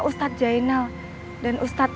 ustadz jainal dan ustadz